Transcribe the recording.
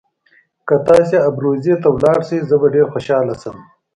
که تاسي ابروزي ته ولاړ شئ زه به ډېر خوشاله شم.